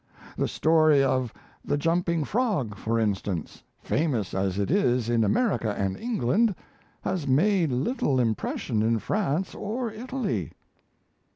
The story of 'The Jumping Frog', for instance, famous as it is in America and England, has made little impression in France or Italy."